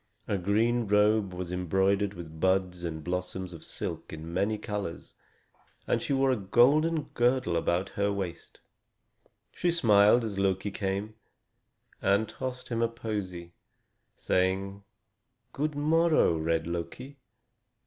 Her green robe was embroidered with buds and blossoms of silk in many colors, and she wore a golden girdle about her waist. She smiled as Loki came, and tossed him a posy, saying: "Good morrow, red Loki.